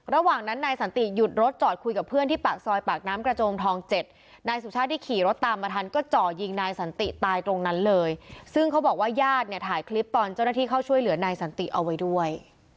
ระหว่างนั้นนายสันติหยุดรถจอดคุยกับเพื่อนที่ปากซอยปากน้ำกระโจมทองเจ็ดนายสุชาติที่ขี่รถตามมาทันก็จ่อยิงนายสันติตายตรงนั้นเลยซึ่งเขาบอกว่าญาติเนี่ยถ่ายคลิปตอนเจ้าหน้าที่เข้าช่วยเหลือนายสันติเอาไว้ด้วย